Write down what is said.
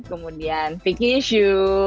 kemudian vicky xu